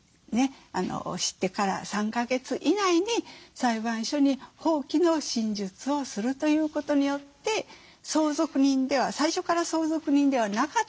知ってから３か月以内に裁判所に放棄の申述をするということによって最初から相続人ではなかったということになります。